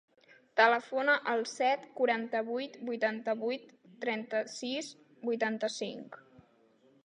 Telefona al set, quaranta-vuit, vuitanta-vuit, trenta-sis, vuitanta-cinc.